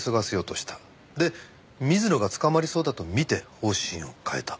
で水野が捕まりそうだと見て方針を変えた。